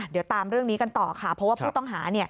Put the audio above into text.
เดี๋ยวตามเรื่องนี้กันต่อค่ะเพราะว่าผู้ต้องหา